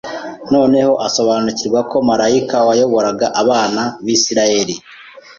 Noneho asobanukirwa ko marayika wayoboraga abana b’Isirayeli